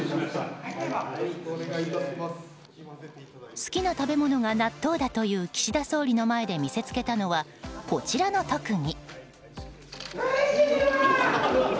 好きな食べ物が納豆だという岸田総理の前で見せつけたのはこちらの特技。